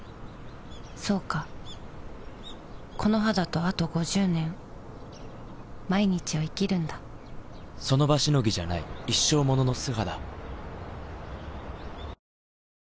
そうかこの肌とあと５０年その場しのぎじゃない一生ものの素肌